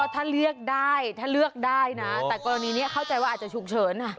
ถ้าเลือกได้ถ้าเลือกได้นะแต่กรณีนี้เข้าใจว่าอาจจะฉุกเฉิน